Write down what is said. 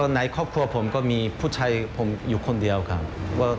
ในครอบครัวผมก็มีผู้ชายผมอยู่คนเดียวครับ